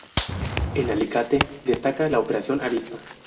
En Alicante destaca la Operación Avispa.